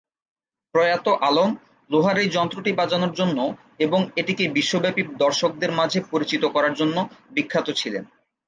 প্রয়াত আলম লোহার এই যন্ত্রটি বাজানোর জন্য এবং এটিকে বিশ্বব্যাপী দর্শকদের মাঝে পরিচিত করার জন্য বিখ্যাত ছিলেন।